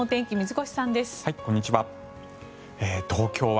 こんにちは。